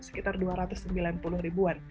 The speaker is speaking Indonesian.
sekitar dua ratus sembilan puluh ribuan